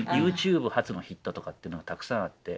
ＹｏｕＴｕｂｅ発のヒットとかっていうのがたくさんあって。